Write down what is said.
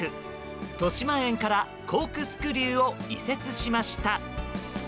としまえんからコークスクリューを移設しました。